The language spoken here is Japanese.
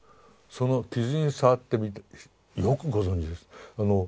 その傷に触ってみてよくご存じですね。